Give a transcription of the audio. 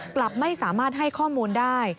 กลับไม่สามารถให้ข้อมูลได้